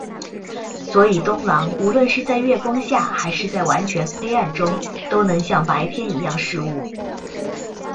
所以冬狼无论是在月光下还是在完全黑暗中都能像白天一样视物。